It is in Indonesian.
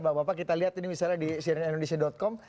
bapak bapak kita lihat ini misalnya di cnnindonesia com